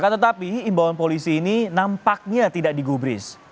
tetapi imbauan polisi ini nampaknya tidak digubris